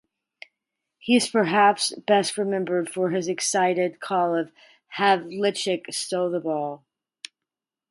He is perhaps best remembered for his excited call of Havlicek stole the ball!